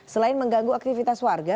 selain mengganggu aktivitas warga